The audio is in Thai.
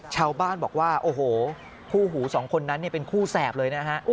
ชาวบ้านบอกว่าพู่๒คนนั้นเป็นคู่แสบเลยนะฮะ